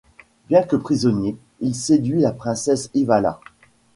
Bien que prisonnier, il séduit la princesse Ivala.